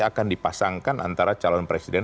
akan dipasangkan antara calon presiden